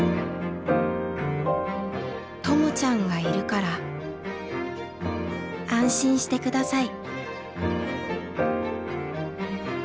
「ともちゃんがいるから安心して下さい」。